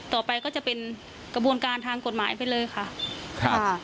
ต่อไปก็จะเป็นกระบวนการทางกฎหมายไปเลยค่ะค่ะ